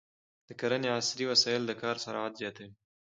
د کرنې عصري وسایل د کار سرعت زیاتوي.